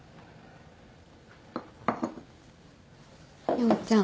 陽ちゃん。